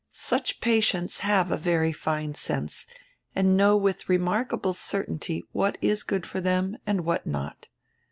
Such patients have a very fine sense and know with remarkable certainty what is good for them and what not.